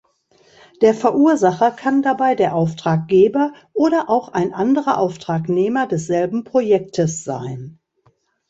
Der Verursacher kann dabei der Auftraggeber oder auch ein anderer Auftragnehmer desselben Projektes sein.